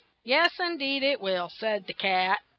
"Yes, in deed, it will," said the cat.